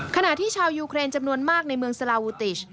ขณะที่ชาวยูเครนจำนวนมากในเมืองสลาวูติช